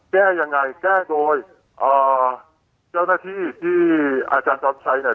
แก้ยังไงแก้โดยเจ้าหน้าที่ที่อาจารย์จอมชัยเนี่ย